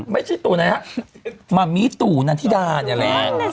ไม่ใช่ตุ๋นะฮะมามีตุ๋นัทธิดาเนี่ยแหละ